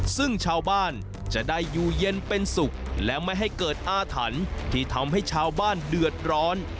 ซึ่งชาวบ้านจะได้อยู่เย็นเป็นสุขและไม่ให้เกิดอาถรรพ์ที่ทำให้ชาวบ้านเดือดร้อน